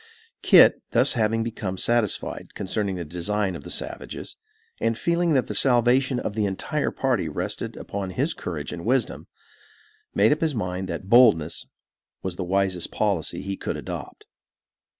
Kit having thus become satisfied concerning the design of the savages, and feeling that the salvation of the entire party rested upon his courage and wisdom, made up his mind that boldness was the wisest policy he could adopt.